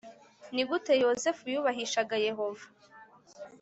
Ni gute Yozefu yubahishaga Yehova